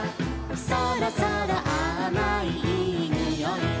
「そろそろあまいいいにおい」